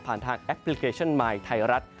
ผ่านทางแอปพลิเคชันมายน์ไทยรัฐ